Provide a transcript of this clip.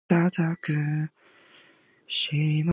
The beach is predominantly sand.